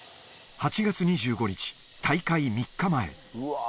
８月２５日、大会３日前。